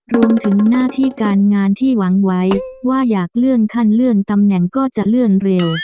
รวมถึงหน้าที่การงานที่หวังไว้ว่าอยากเลื่อนขั้นเลื่อนตำแหน่งก็จะเลื่อนเร็ว